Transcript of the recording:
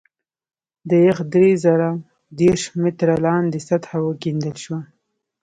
د یخ درې زره دېرش متره لاندې سطحه وکیندل شوه